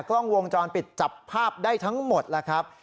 กล้องวงจรปิดจับภาพได้ทั้งหมดแล้วครับ